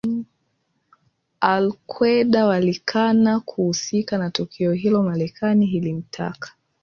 Al Qaeda walikana kuhusika na tukio hilo Marekani ilimtaka